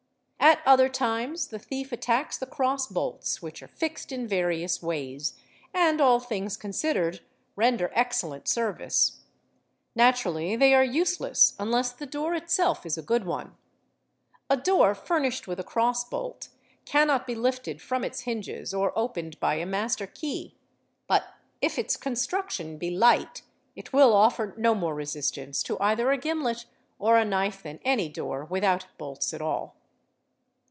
_ At other times the thief attacks the cross bolts which are fixed in ' yarious ways and, all things considered, render excellent service: natu rally they are useless unless the door itself is a good one; a door fur lished with a cross bolt cannot be lifted from its hinges or opened by a v aster key, but if its construction be light it will offer no more resistance © either a gimlet or a knife than any door without bolts at all.